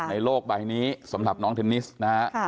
โลกใบนี้สำหรับน้องเทนนิสนะฮะ